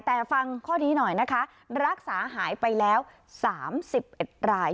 แต่ฟังข้อนี้หน่อยนะคะรักษาหายไปแล้ว๓๑ราย